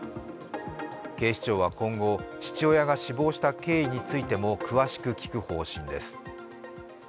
警視庁は今後、父親が死亡した経緯についても詳しく聴く方針です。